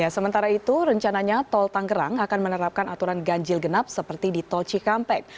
sementara itu rencananya tol tanggerang akan menerapkan aturan ganjil genap seperti di tol cikampek